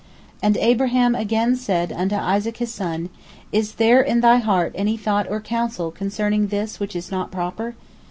And Abraham again said unto Isaac his son, "Is there in thy heart any thought or counsel concerning this which is not proper?